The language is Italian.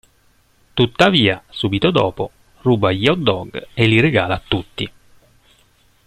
Tuttavia, subito dopo, ruba gli hot dog e li regala a tutti.